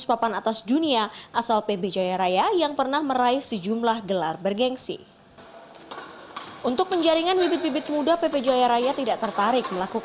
saya disini ya harus mandiri